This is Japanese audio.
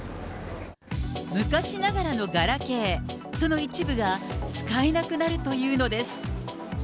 昔ながらのガラケー、その一部が使えなくなるというのです。